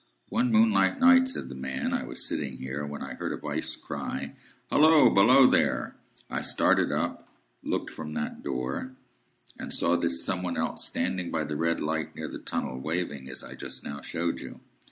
"One moonlight night," said the man, "I was sitting here, when I heard a voice cry, 'Halloa! Below there!' I started up, looked from that door, and saw this Some one else standing by the red light near the tunnel, waving as I just now showed you.